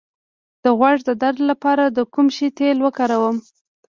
د غوږ د درد لپاره د کوم شي تېل وکاروم؟